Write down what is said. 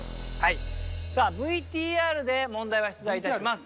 さあＶＴＲで問題は出題いたします！